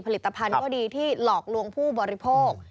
ผลิตภัณฑ์ก็ดีที่หลอกลวงผู้บริโภค